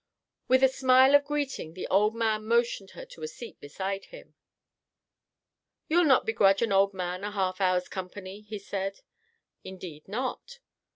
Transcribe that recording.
With a smile of greeting the old man motioned her to a seat beside him. "You'll not begrudge an old man a half hour's company?" he said. "Indeed not."